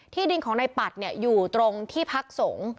ที่ดินของในปัดเนี่ยอยู่ตรงที่พักสงค์